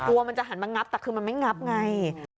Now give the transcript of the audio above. กลัวมันจะหันมางับแต่คือมันไม่งับไง